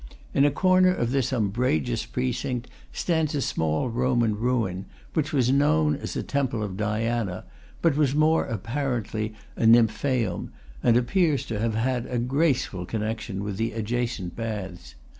In a corner of this umbrageous precinct stands a small Roman ruin, which is known as a temple of Diana, but was more apparently a nymphaeum, and appears to have had a graceful con nection with the adjacent baths.